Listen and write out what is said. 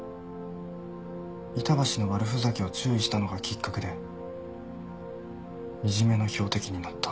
板橋の悪ふざけを注意したのがきっかけでいじめの標的になった。